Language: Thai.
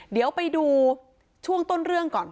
เดี๋ยวไปดูช่วงต้นเรื่องก่อน